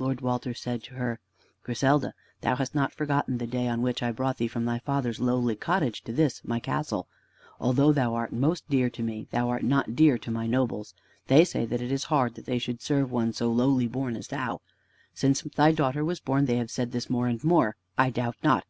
Lord Walter said to her: "Griselda, thou hast not forgotten the day on which I brought thee from thy father's lowly cottage to this my castle. Although thou art most dear to me, thou art not dear to my nobles. They say that it is hard that they should serve one so lowly born as thou. Since thy daughter was born they have said this more and more, I doubt not.